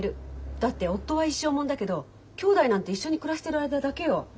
だって夫は一生もんだけど姉妹なんて一緒に暮らしてる間だけよ。